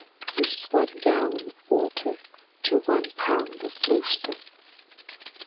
Use one gallon of water to one pound of bluestone.